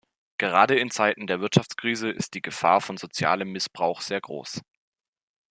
Gerade in Zeiten der Wirtschaftskrise ist die Gefahr von sozialem Missbrauch sehr groß.